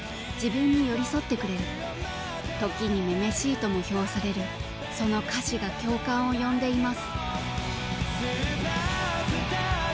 時に女々しいとも評されるその歌詞が共感を呼んでいます。